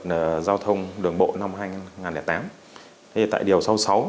là giao thông đường bộ năm hai nghìn tám tại điều sáu mươi sáu